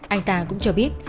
anh ta cũng cho biết